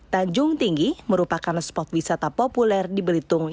tanjung tinggi merupakan spot wisata populer di belitung